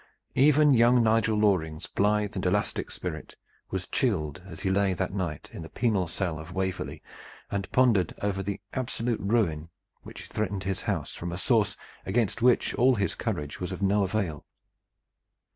Even young Nigel Loring's blithe and elastic spirit was chilled as he lay that night in the penal cell of Waverley and pondered over the absolute ruin which threatened his house from a source against which all his courage was of no avail.